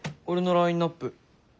俺のラインナップ。